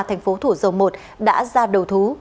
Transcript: thành phố thủ dầu một đã ra đầu thú